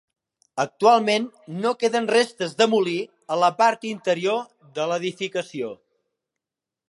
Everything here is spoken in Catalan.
Actualment no queden restes del molí a la part interior de l'edificació.